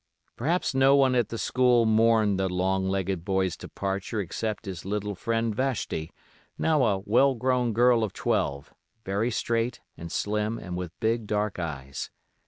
Perhaps no one at the school mourned the long legged boy's departure except his little friend Vashti, now a well grown girl of twelve, very straight and slim and with big dark eyes.